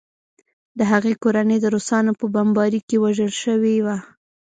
د هغې کورنۍ د روسانو په بمبارۍ کې وژل شوې وه